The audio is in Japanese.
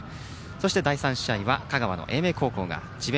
そして第３試合は香川の英明高校が智弁